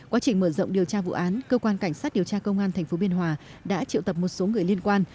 quá trình mở rộng điều tra vụ án cơ quan cảnh sát điều tra công an tp biên hòa đã triệu tập một số người liên quan